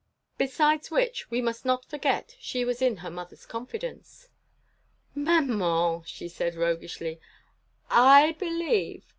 Besides which, we must not forget she was in her Mother's confidence. "Maman," she said, roguishly, "I believe!